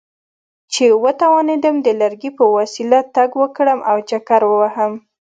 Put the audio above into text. چې وتوانېدم د لرګي په وسیله تګ وکړم او چکر ووهم.